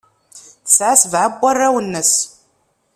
Tesɛa sebɛa n warraw-nnes.